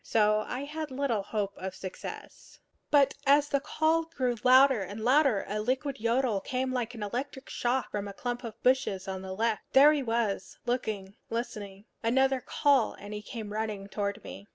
So I had little hope of success. But as the call grew louder and louder, a liquid yodel came like an electric shock from a clump of bushes on the left. There he was, looking, listening. Another call, and he came running toward me.